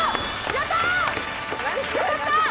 やった。